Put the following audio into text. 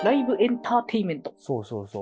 そうそうそう。